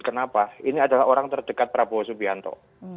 kenapa ini adalah orang terdekat prabowo subianto